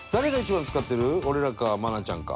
俺らか愛菜ちゃんか。